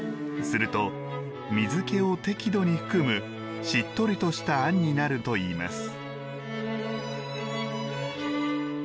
すると、水けを適度に含むしっとりとしたあんになるといいます。